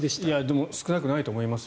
でも、少なくないと思います。